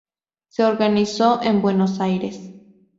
Se organizó en Buenos Aires.